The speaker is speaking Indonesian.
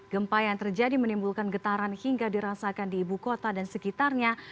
gempa yang terjadi menimbulkan getaran hingga dirasakan di ibu kota dan sekitarnya